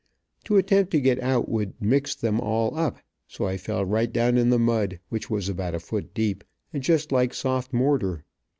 To attempt to get out would mix them all up, so I fell right down in the mud, which was about a foot deep, and just like soft mortar.